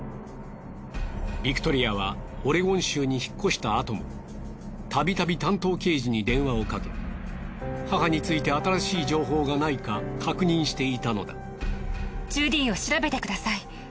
ビクトリアはオレゴン州に引っ越したあともたびたび担当刑事に電話をかけ母について新しい情報がないか確認していたのだ。